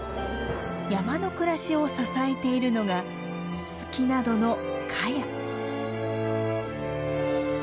山の暮らしを支えているのがススキなどのカヤ。